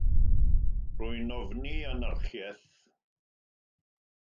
Rwy'n ofni anarchiaeth.